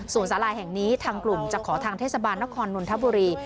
ส่วนสาลาแห่งนี้ทางกลุ่มจะขอทางเทศบาลนครนนทบุรี